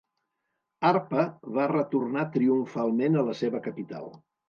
Arpa va retornar triomfalment a la seva capital.